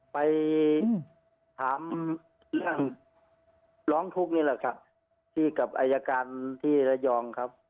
ไปถามเรื่องร้องทุกข์นี่แหละครับที่กับอายการที่ระยองครับ